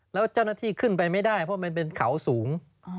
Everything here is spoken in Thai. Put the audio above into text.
แล้วเจ้าหน้าที่ขึ้นไปไม่ได้เพราะมันเป็นเขาสูง